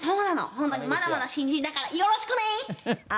ホントにまだまだ新人だからよろしくね！